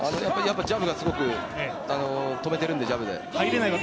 ジャブがすごく止めてるのでジャブで。